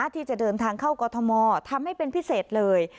ที่จะเดินทางเข้ากอทมทำให้เป็นพิเศษเลย